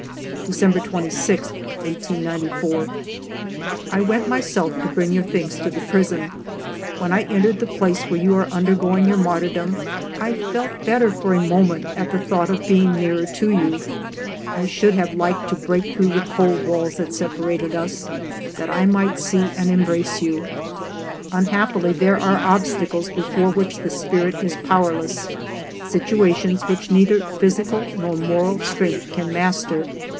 " December 26, i 894. " I went myself to bring your things to the prison. When 1 entered the place where you are undergoing your martyrdom, I felt better for a moment at the thought of being nearer to you. I should have liked to break through the cold walls that separated us, that I might see and em brace you. Unhappily there are obstacles before which the spirit is powerless, situations which neither physical nor moral strength can master.